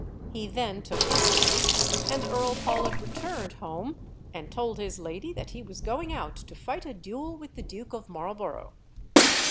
He then took his leave, and Earl Pawlet returned home and told his lady that he was going out to fight a duel with the Duke of Marlborough.